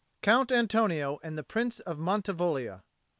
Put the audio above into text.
COUNT ANTONIO AND THE PRINCE OF MANTIVOGLIA.